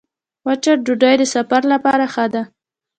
وچه ډوډۍ د سفر لپاره ده.